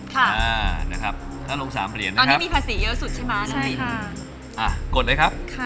ตอนนี้มีภาษีเยอะสุดใช่มั้ยน้องลิน